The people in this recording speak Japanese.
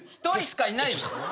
１人しかいないですよ。